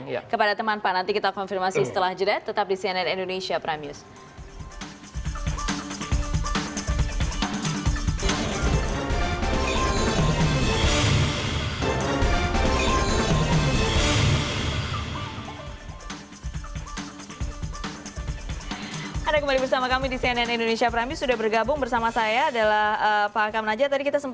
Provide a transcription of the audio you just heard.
ya itu dia yang saya bilang tadi